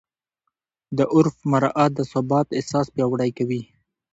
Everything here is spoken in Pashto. د عرف مراعات د ثبات احساس پیاوړی کوي.